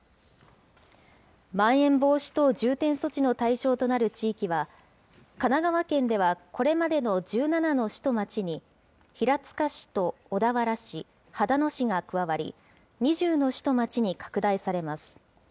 まん延防止等重点措置の対象となる地域は、神奈川県ではこれまでの１７の市と町に平塚市と小田原市、秦野市が加わり、２０の市と町に拡大されます。